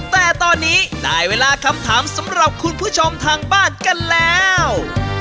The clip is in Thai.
แต่ตอนนี้ได้เวลาคำถามสำหรับคุณผู้ชมทางบ้านกันแล้ว